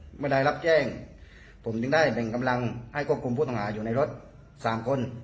ไม่ได้รับแจ้งผมได้เป็นกำลังให้ควบคุมผู้ต่างหาอยู่ในรถ๓คน